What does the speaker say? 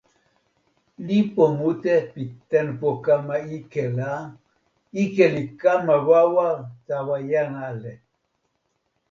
lipu mute pi tenpo kama ike la, ike li kama wawa tawa jan ale.